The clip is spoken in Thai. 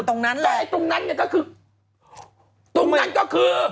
ตรงนั้นก็คือ